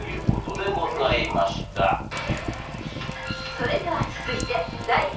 ［それでは続いて第３問］